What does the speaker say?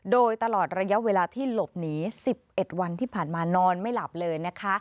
โดยตลอดระยะเวลาที่หลบหนี๑๑วันที่ผ่านมานอนไม่หลับเลยนะคะ